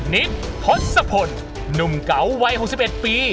นิกพรสภนนุ่มเก๋าวัย๖๑ปี